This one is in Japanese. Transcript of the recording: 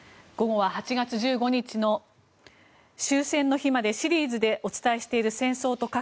午後は８月１５日の終戦の日までシリーズでお伝えしている戦争と核。